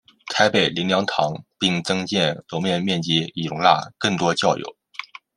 台北灵粮堂并增建楼面面积以容纳更多教友。